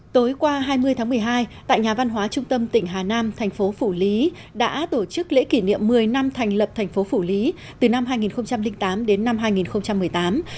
tối qua hai mươi tháng một mươi hai tại nhà văn hóa trung tâm tỉnh hà nam thành phố phủ lý đã tổ chức lễ kỷ niệm một mươi năm thành lập thành phố phủ lý từ năm hai nghìn tám đến năm hai nghìn một mươi tám